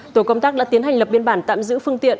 tổ công tác đã tiến hành lập biên bản tạm giữ phương tiện